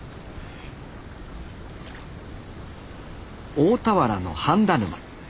大田原の羽田沼。